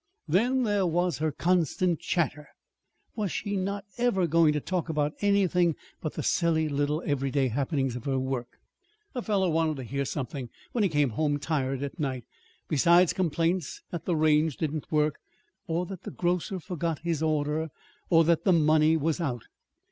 Then there was her constant chatter. Was she not ever going to talk about anything but the silly little everyday happenings of her work? A fellow wanted to hear something, when he came home tired at night, besides complaints that the range didn't work, or that the grocer forgot his order, or that the money was out.